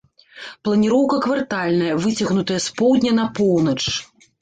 Планіроўка квартальная, выцягнутая з поўдня на поўнач.